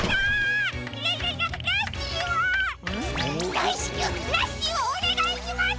だいしきゅうラッシーをおねがいします！